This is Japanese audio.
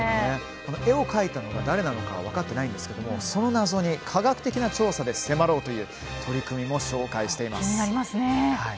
絵を描いたのが誰なのかは分かっていないのですがその謎に科学的な調査で迫ろうという取り組みも紹介しています。